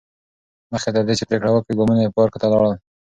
مخکې تر دې چې پرېکړه وکړي، ګامونه یې پارک ته لاړل.